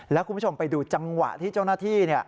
แล้วคุณผู้ชมไปดูจังหวะที่เจ้าหน้าที่